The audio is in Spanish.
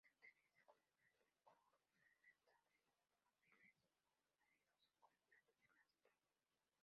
Se utiliza como planta ornamental de jardines áridos o como planta de maceta.